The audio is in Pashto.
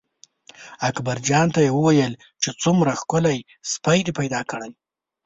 اکبرجان ته یې وویل چې څومره ښکلی سپی دې پیدا کړی.